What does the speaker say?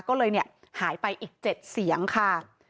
ก็เลยหายไปอีก๗เสียงค่ะ